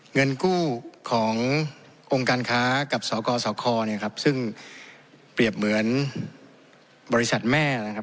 เงินกู้ขององค์การค้ากับสกสคเนี่ยครับซึ่งเปรียบเหมือนบริษัทแม่นะครับ